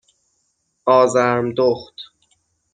آزرم دخت